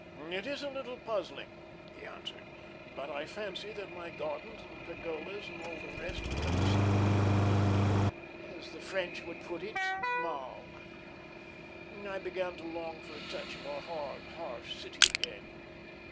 "It is a little puzzling," he answered. "But I fancy that my gardens and pergolas and all the rest had come to seem to me a little as the French would put it malle. I began to long for a touch of our hard, harsh city again.